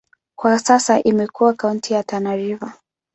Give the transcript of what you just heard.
Kwa sasa imekuwa kaunti ya Tana River.